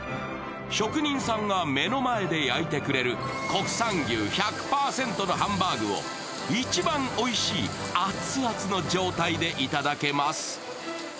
職人さんが目の前で焼いてくれる国産牛１００％のハンバーグを一番おいしい熱々の状態で頂けます。